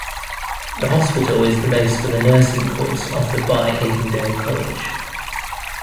The hospital is the base for the nursing course offered by Avondale College.